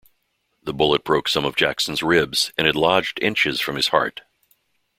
The bullet broke some of Jackson's ribs, and had lodged inches from his heart.